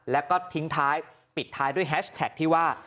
แล้วก็ทิ้งท้ายปิดท้ายด้วยแฮชแท็กที่ว่า